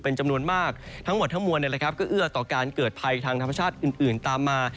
เป็นจำนวนมากทั้งหมดทั้งมวลก็เอื้อต่อการเกิดภัยทางธรรมชาติอื่นตามมา